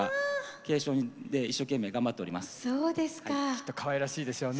きっとかわいらしいでしょうね。